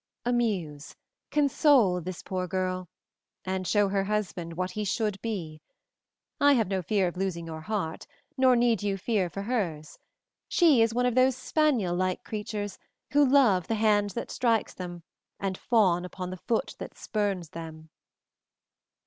Amuse, console this poor girl, and show her husband what he should be; I have no fear of losing your heart nor need you fear for hers; she is one of those spaniel like creatures who love the hand that strikes them and fawn upon the foot that spurns them."